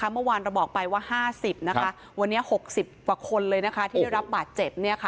เมื่อวานเราบอกไปว่า๕๐วันนี้๖๐กว่าคนเลยที่ได้รับบาดเจ็บ